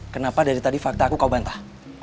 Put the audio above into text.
kenapa dari tadi fakta aku kau bantah